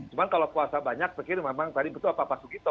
cuma kalau kuasa banyak sekiranya memang tadi betul apa apa segitu